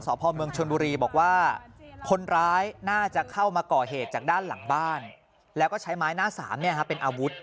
พ่อเมืองชนบุรีบอกว่าคนร้ายน่าจะเข้ามาก่อเหตุจากด้านหลังบ้านแล้วก็ใช้ไม้หน้าสามเป็นอาวุธ